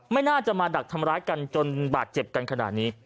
ไม่น่าจะมาดักทำร้ายกันจนบาดเจ็บกันขนาดนี้